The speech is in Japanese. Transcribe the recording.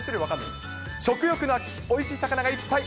食欲の秋、おいしい魚がいっぱい。